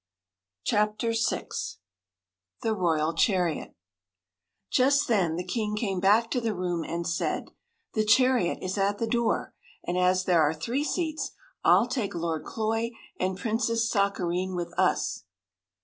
Chapter VI The Royal Chariot JUST then the king came back to the room and said: "The chariot is at the door; and, as there are three seats, I'll take Lord Cloy and Princess Sakareen with us."